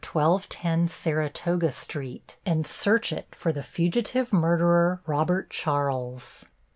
1210 Saratoga Street, and search it for the fugitive murderer, Robert Charles.